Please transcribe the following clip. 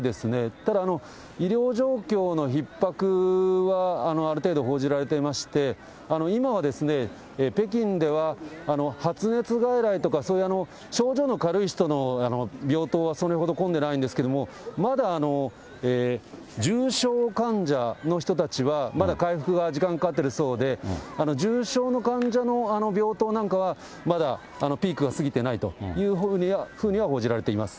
ただ、医療状況のひっ迫はある程度、報じられていまして、今は北京では、発熱外来とか、そういう症状の軽い人の病棟はそれほど混んでないんですけれども、まだ重症患者の人たちは、まだ回復が時間かかっているそうで、重症の患者の病棟なんかは、まだピークは過ぎてないというふうには報じられています。